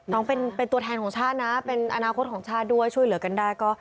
น้องเป็นตัวแทนของชาตินะเป็นอนาคตของชาติด้วยช่วยเหลือกันได้ก็